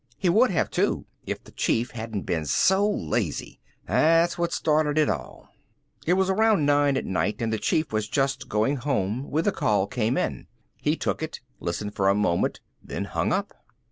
He would have too if the Chief hadn't been so lazy. That's what started it all. It was around nine at night and the Chief was just going home when the call came in. He took it, listened for a moment, then hung up.